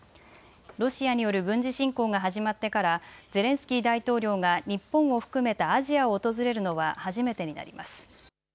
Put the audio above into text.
ロシアによる軍事侵攻が始まってからゼレンスキー大統領が日本を含めたアジアを訪れるのは初めてになります。